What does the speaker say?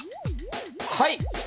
はい！